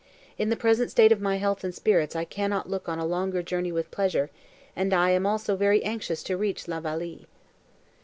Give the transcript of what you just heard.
In the present state of my health and spirits I cannot look on a longer journey with pleasure, and I am also very anxious to reach La Vallée."